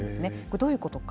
どういうことか。